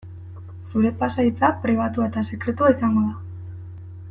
Zure pasahitza pribatua eta sekretua izango da.